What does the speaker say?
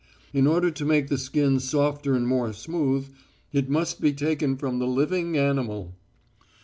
In order to make the skin softer and more smooth, it must be taken from the living animal."